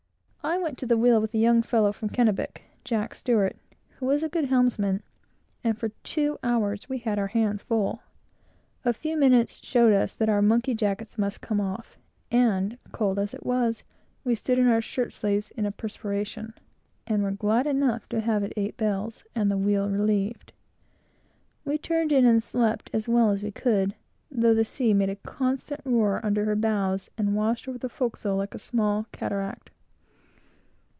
I went to the wheel with a young fellow from the Kennebec, who was a good helmsman; and for two hours we had our hands full. A few minutes showed us that our monkey jackets must come off; and, cold as it was, we stood in our shirt sleeves, in a perspiration; and were glad enough to have it eight bells, and the wheel relieved. We turned in and slept as well as we could, though the sea made a constant roar under her bows, and washed over the forecastle like a small cataract.